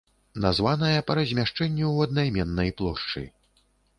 Названая па размяшчэнню ў аднайменнай плошчы.